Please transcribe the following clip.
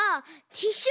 ティッシュ